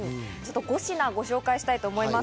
５品ご紹介したいと思います。